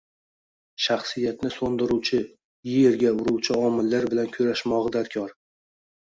shaxsiyatni so‘ndiruvchi, yerga uruvchi omillar bilan kurashmog‘i darkor.